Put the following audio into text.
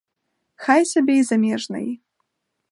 Хай сабе і замежнай.